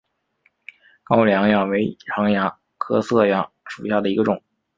高梁蚜为常蚜科色蚜属下的一个种。